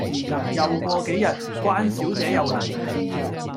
又過幾日，關小姐又黎